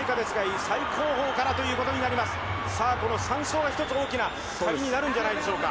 ３走は一つ大きな壁になるんじゃないでしょうか。